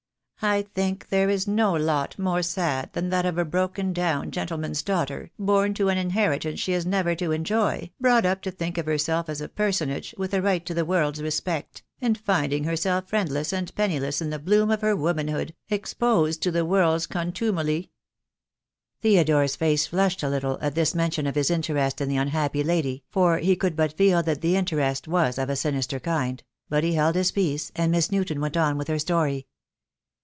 I think there is no lot more sad than that of a broken down gentleman's daughter, born to an inheritance she is never to enjoy, brought up to think of herself as a personage, with a THE DAY WILL COME. 263 right to the world's respect, and finding herself friendless and penniless in the bloom of her womanhood, exposed to the world's contumely." Theodore's face flushed a little at this mention of his interest in the unhappy lady, for he could but feel that the interest was of a sinister kind; but he held his peace, and Miss Newton went on with her story.